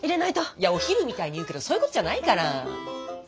いやお昼みたいに言うけどそういうことじゃないから。